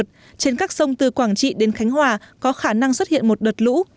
trên các sông từ quảng trị đến khánh hòa có khả năng xuất hiện một đợt lũ